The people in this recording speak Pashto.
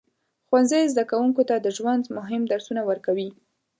ښوونځی زده کوونکو ته د ژوند مهم درسونه ورکوي.